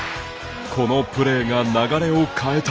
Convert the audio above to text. このプレーが流れを変えた。